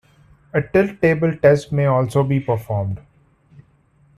A tilt table test may also be performed.